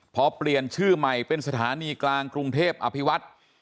พอเปลี่ยนชื่อใหม่เป็นสถานีกลางกรุงเทพอภิวัฒน์